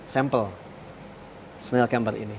sampel snail camper ini